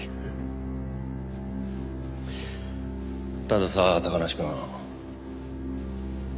たださ高梨くん。